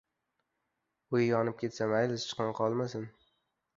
• Uy yonib ketsa mayli, sichqon qolmasin.